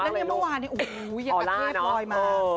นั่นเมื่อวานเนี่ยโอ้ยยังกระเทศรอยมา